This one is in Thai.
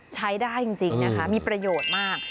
ใช้ได้จริงนะคะมีประโยชน์มาก